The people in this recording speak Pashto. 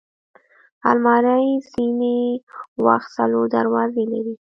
الماري ځینې وخت څلور دروازې لري